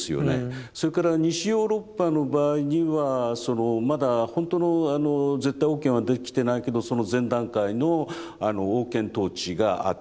それから西ヨーロッパの場合にはそのまだほんとの絶対王権はできてないけどその前段階の王権統治があったと。